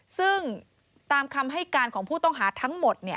ซึ่งตามคำให้การของผู้ต้องหาทั้งหมด